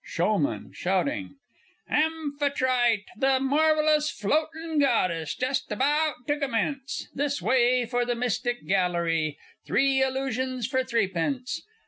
_ SHOWMAN (shouting). Amphitrite, the Marvellous Floatin' Goddess Just about to commence! This way for the Mystic Gallery three illusions for threepence!